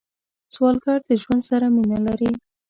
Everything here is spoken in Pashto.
سوالګر د ژوند سره مینه لري